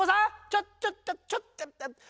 ちょっちょっちょっ。